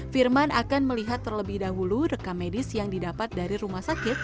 firman akan melihat terlebih dahulu rekam medis yang didapat dari rumah sakit